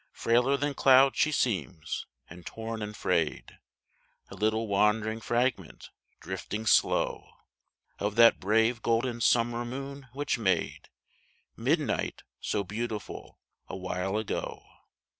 Frailer than cloud she seems, and torn and frayed ; A little wandering fragment, drifting slow, Of that brave golden summer moon which made Midnight so beautiful awhile ago.